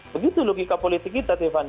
begitu logika politik kita tiffany